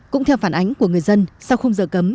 cũng theo phản ánh của người dân sau không giờ cấm